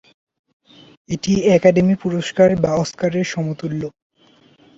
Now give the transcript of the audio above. এটি একাডেমি পুরস্কার বা অস্কারের সমতুল্য।